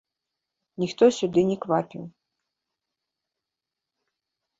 Ніхто сюды не квапіў.